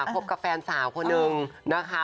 พบกับแฟนสาวคนนึงนะคะ